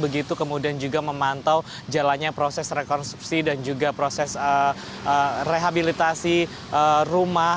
begitu kemudian juga memantau jalannya proses rekonstruksi dan juga proses rehabilitasi rumah